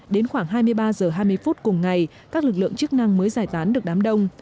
đến khoảng hai mươi ba h hai mươi phút cùng ngày các lực lượng chức năng mới giải tán được đám đông